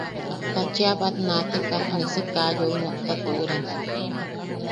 Ta cheʼa bat naateka ne si kaa yoi nokta tuʼuren.